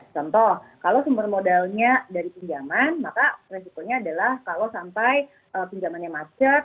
contoh kalau sumber modalnya dari pinjaman maka resikonya adalah kalau sampai pinjamannya macet